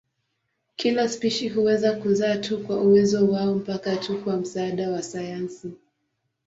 Kila spishi huweza kuzaa tu kwa uwezo wao mpaka tu kwa msaada wa sayansi.